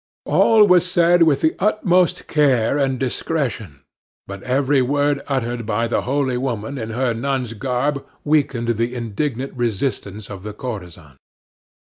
All was said with the utmost care and discretion, but every word uttered by the holy woman in her nun's garb weakened the indignant resistance of the courtesan.